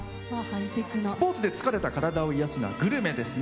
スポーツの疲れた体を癒やすのはグルメですね。